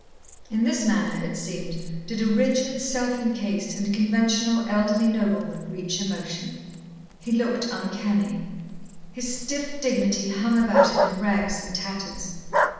In this manner, it seemed, did a rigid, self encased, and conventional elderly nobleman reach emotion. He looked uncanny. His stiff dignity hung about him in rags and tatters.